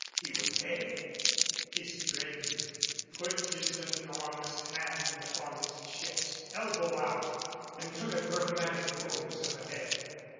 He would pay He straightened, put his enormous hand upon his chest, elbow out, and took a dramatic pose of the head.